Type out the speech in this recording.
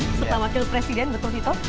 setelah wakil presiden betul itu